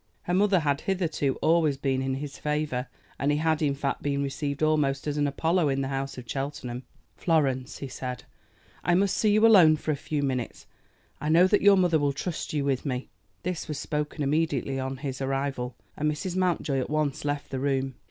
Her mother had hitherto always been in his favor, and he had, in fact, been received almost as an Apollo in the house at Cheltenham. "Florence," he said, "I must see you alone for a few minutes. I know that your mother will trust you with me." This was spoken immediately on his arrival, and Mrs. Mountjoy at once left the room.